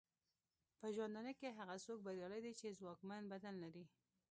په ژوندانه کې هغه څوک بریالی دی چې ځواکمن بدن لري.